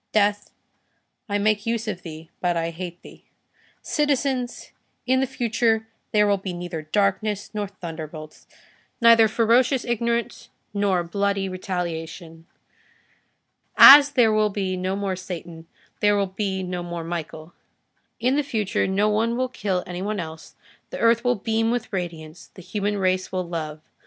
Death, I make use of thee, but I hate thee. Citizens, in the future there will be neither darkness nor thunderbolts; neither ferocious ignorance, nor bloody retaliation. As there will be no more Satan, there will be no more Michael. In the future no one will kill any one else, the earth will beam with radiance, the human race will love.